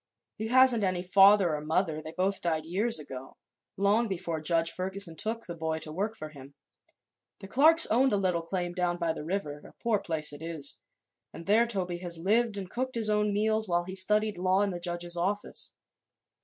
He hasn't any father or mother; they both died years ago, long before Judge Ferguson took the boy to work for him. The Clarks owned a little cabin down by the river a poor place it is and there Toby has lived and cooked his own meals while he studied law in the judge's office.